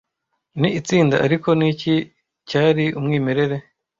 ni itsinda ariko niki cyari umwimerere